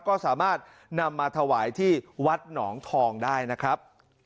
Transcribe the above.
ก็สามารถนำมาถวายที่วัดหนองทองได้นะครับ